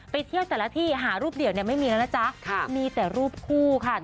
ไปเที่ยวแต่ละที่หารูปเดียวเนี่ยไม่มีแล้วนะจ๊ะมีแต่รูปคู่ค่ะ